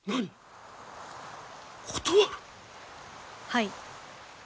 はい。